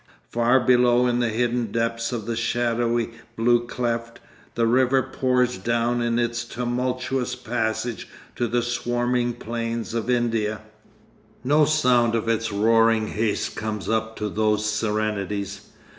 Far below in the hidden depths of a shadowy blue cleft, the river pours down in its tumultuous passage to the swarming plains of India. No sound of its roaring haste comes up to those serenities.